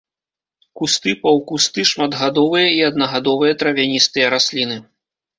Кусты, паўкусты, шматгадовыя і аднагадовыя травяністыя расліны.